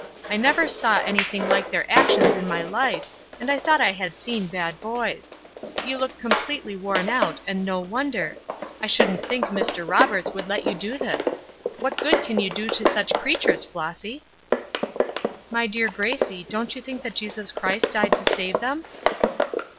I never saw anything like their actions in my life, and I thought I had seen bad boys. You look completely worn out, and no wonder. I shouldn't think Mr. Roberts would let you do this. What good can you do such creatures, Flossy?" "My dear Gracie, don't you think that Jesus Christ died to save them?"